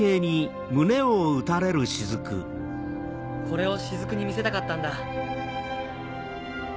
これを雫に見せたかったんだ。